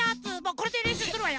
これでれんしゅうするわよ。